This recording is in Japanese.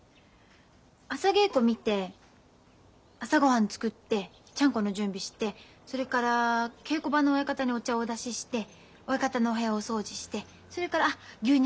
朝稽古見て朝ごはん作ってちゃんこの準備してそれから稽古場の親方にお茶をお出しして親方のお部屋をお掃除してそれからあっ牛乳運んで。